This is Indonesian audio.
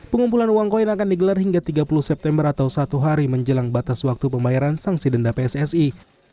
pengumpulan uang koin akan digelar hingga tiga puluh september atau satu hari menjelang batas waktu pembayaran sanksi denda pssi